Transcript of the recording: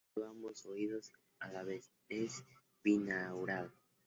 El Weber, evalúa ambos oídos a la vez, es binaural.